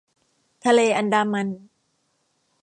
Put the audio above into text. ทะเลอันดามัน